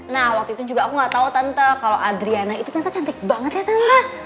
nah waktu itu juga aku nggak tahu tante kalau adriana itu ternyata cantik banget ya tante